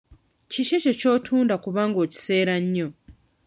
Kiki ekyo ky'otunda kubanga okiseera nnyo?